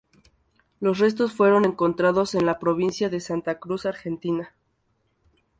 Los restos fueron encontrados en la provincia de Santa Cruz, Argentina.